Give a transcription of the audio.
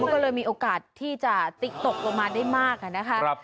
ก็เลยมีโอกาสที่จะติ๊กตกลงมาได้มากนะคะ